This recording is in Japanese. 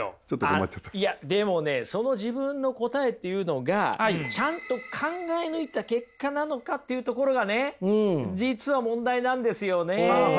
あいやでもねその自分の答えっていうのがちゃんと考え抜いた結果なのかっていうところがね実は問題なんですよね！